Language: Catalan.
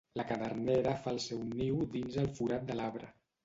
La cadernera fa el seu niu dins el forat de l'arbre.